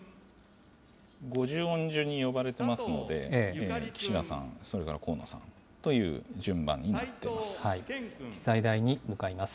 ５０音順に呼ばれてますので、岸田さん、それから河野さんという順番になっています。